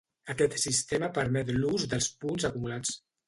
Aquest sistema permet l'ús dels punts acumulats.